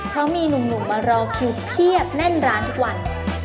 เพราะมีหนุ่มมารอคิวเพียบแน่นร้านทุกวัน